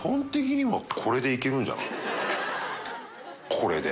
これで。